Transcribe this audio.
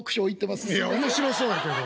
「いや面白そうやけど」。